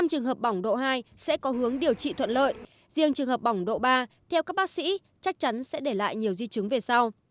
năm trường hợp bỏng độ hai sẽ có hướng điều trị thuận lợi riêng trường hợp bỏng độ ba theo các bác sĩ chắc chắn sẽ để lại nhiều di chứng về sau